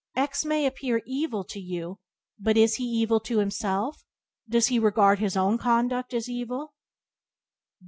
X may appear evil to you, but is he evil to himself? Does he regard his own conduct as evil?